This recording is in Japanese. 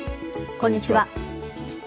こんにちは。